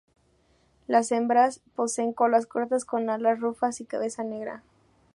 Las hembras poseen colas cortas con alas rufas y cabeza negra.